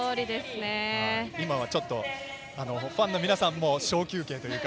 今はちょっと、ファンの皆さんも小休憩というか。